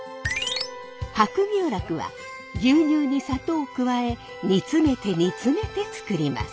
白牛酪は牛乳に砂糖を加え煮詰めて煮詰めて作ります。